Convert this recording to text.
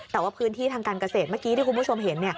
แต่ว่าพื้นที่ทางการเกษตรเมื่อกี้ที่คุณผู้ชมเห็น